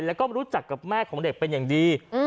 แล้วก็รู้จักกับแม่ของเด็กเป็นอย่างดี